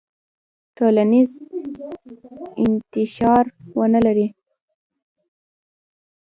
ټولنیز انتشار ونلري.